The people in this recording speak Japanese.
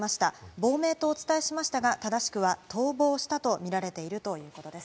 亡命とお伝えしましたが正しくは逃亡したと見られているということです。